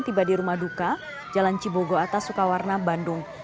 tiba di rumah duka jalan cibogo atas sukawarna bandung